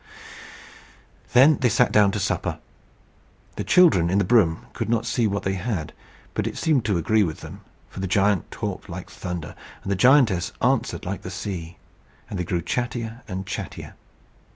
Then they sat down to supper. The children in the broom could not see what they had; but it seemed to agree with them, for the giant talked like thunder, and the giantess answered like the sea, and they grew chattier and chattier.